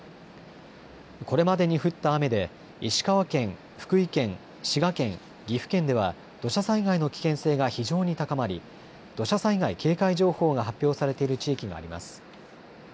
これまでに降った雨で石川県、福井県、滋賀県、岐阜県では土砂災害の危険性が非常に高まり土砂災害警戒情報が発表されている地域があります。